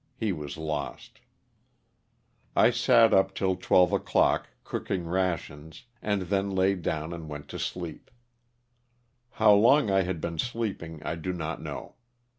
(he was lost). I sat up till 12 o'clock, cooking rations, and then laid down and went to sleep. How long I had been sleeping I do not know.